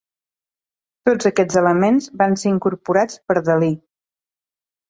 Tots aquests elements van ser incorporats per Dalí.